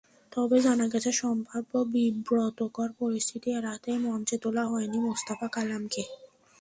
তবে জানা গেছে, সম্ভাব্য বিব্রতকর পরিস্থিতি এড়াতেই মঞ্চে তোলা হয়নি মুস্তফা কামালকে।